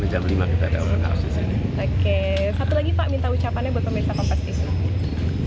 oke satu lagi pak minta ucapannya buat pemirsa kompetisi